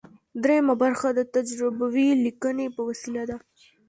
دریمه برخه د تجربوي لیکنې په وسیله ده.